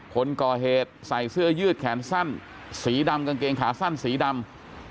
คนก่อเหตุใส่เสื้อยืดแขนสั้นสีดำกางเกงขาสั้นสีดำ